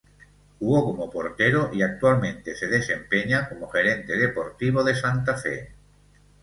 Jugó como portero y actualmente se desempeña como gerente deportivo de Santa Fe.